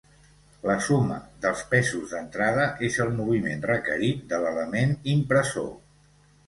La suma dels pesos d'entrada és el moviment requerit de l'element impressor.